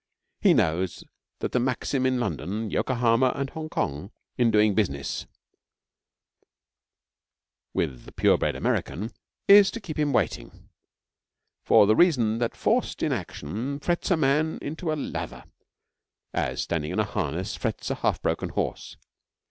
He knows that the maxim in London, Yokohama, and Hongkong in doing business with the pure bred American is to keep him waiting, for the reason that forced inaction frets the man to a lather, as standing in harness frets a half broken horse.